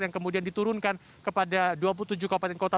yang kemudian diturunkan kepada dua puluh tujuh kabupaten kota